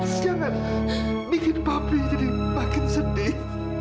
jangan bikin pabrik jadi makin sedih